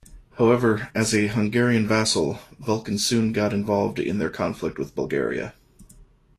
However, as a Hungarian vassal, Vukan soon got involved in their conflict with Bulgaria.